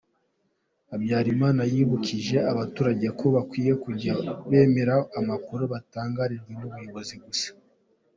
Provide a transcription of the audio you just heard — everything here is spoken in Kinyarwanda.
Habyarimana yibukije abaturage ko bakwiye kujya bemera amakuru batangarijwe n’ubuyobozi gusa.